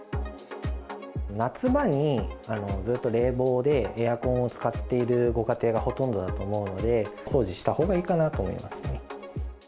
夏場にずっと冷房で、エアコンを使っているご家庭がほとんどだと思うので、お掃除したほうがいいかなと思いますね。